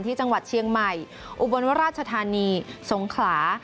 ที่จังหวัดเชียงใหม่อุบลวราชธานีสงขลา